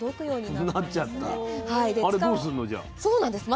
あれどうすんの？